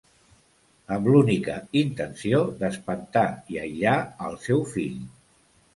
Amb l'única intenció d'espantar i aïllar al seu fill.